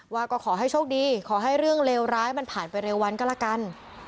ว่าก็ขอให้โชคดีขอให้เรื่องเลวร้ายมันผ่านไปเร็ววันก็ละกัน